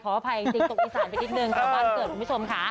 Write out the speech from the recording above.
ขออภัยจริงตกอีสานไปนิดหนึ่งครับวันเกิดคุณผู้ชมค่ะ